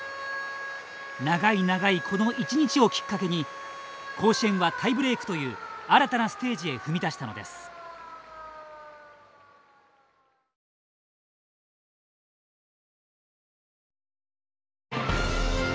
長い長い、この一日をきっかけに甲子園はタイブレークという新たなステージへ踏み出したのです。